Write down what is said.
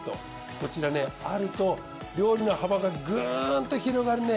こちらねあると料理の幅がグンッと広がるね